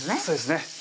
そうですね